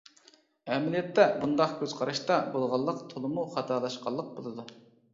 ئەمەلىيەتتە بۇنداق كۆز قاراشتا بولغانلىق تولىمۇ خاتالاشقانلىق بولىدۇ.